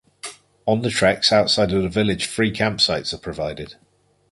On the treks outside of the village free campsites are provided.